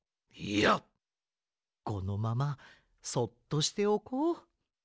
いやこのままそっとしておこう。